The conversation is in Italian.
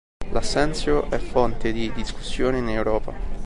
L'Assenzio è fonte di discussione in Europa.